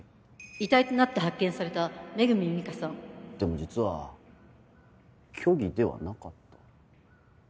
遺体となって発見された恵美佳さんでも実は虚偽ではなかった。